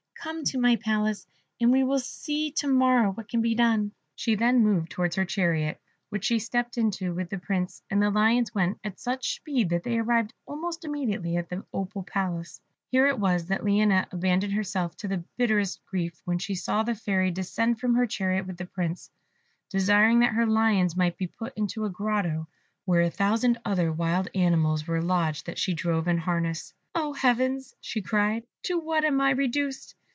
Come to my palace, and we will see to morrow what can be done." She then moved towards her chariot, which she stepped into with the Prince, and the Lions went at such speed that they arrived almost immediately at the Opal Palace. Here it was that Lionette abandoned herself to the bitterest grief when she saw the Fairy descend from her chariot with the Prince, desiring that her lions might be put into a grotto where a thousand other wild animals were lodged that she drove in harness. "Oh, Heavens!" she cried, "to what am I reduced?"